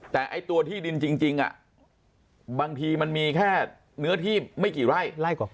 แต่ไอ้ตัวที่ดินจริงบางทีมันมีแค่เนื้อที่ไม่กี่ไร่กว่า